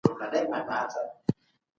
پوکي د ژوند د دوام لپاره اړيني دي.